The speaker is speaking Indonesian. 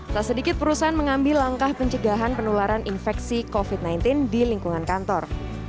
tak sedikit perusahaan mengambil langkah pencegahan penularan infeksi covid sembilan belas di lingkungan kantor